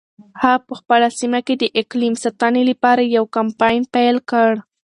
هغه په خپله سیمه کې د اقلیم د ساتنې لپاره یو کمپاین پیل کړ.